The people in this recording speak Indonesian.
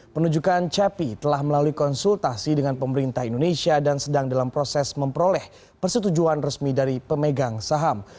penunjukan cepi telah melalui konsultasi dengan pemerintah indonesia dan sedang dalam proses memperoleh persetujuan resmi dari pemegang saham